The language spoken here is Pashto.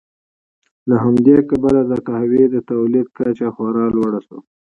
له همدې کبله د قهوې د تولید کچه خورا لوړه شوه.